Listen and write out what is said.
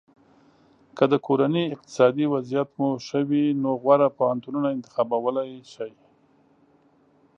که د کورنۍ اقتصادي وضعیت مو ښه وي نو غوره پوهنتونونه انتخابولی شی.